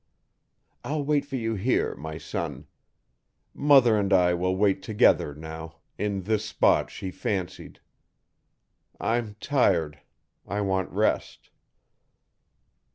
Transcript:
I'll wait for you here, my son. Mother and I will wait together now in this spot she fancied. I'm tired I want rest.